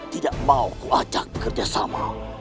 tidak mau aku ajak bekerja sama